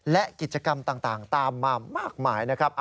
และกิจกรรมต่างตามมามากมายนะครับ